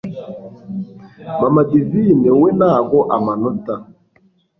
Mama divine we ntago amanota